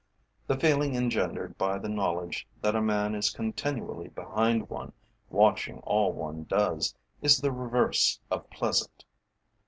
The feeling engendered by the knowledge that a man is continually behind one, watching all one does, is the reverse of pleasant.